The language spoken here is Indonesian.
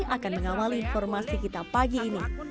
akan mengawali informasi kita pagi ini